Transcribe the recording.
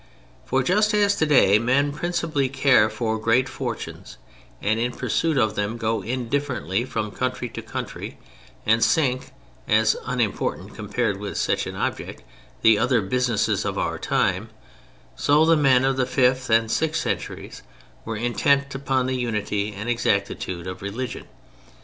For just as today men principally care for great fortunes, and in pursuit of them go indifferently from country to country, and sink, as unimportant compared with such an object, the other businesses of our time, so the men of the fifth and sixth centuries were intent upon the unity and exactitude of religion.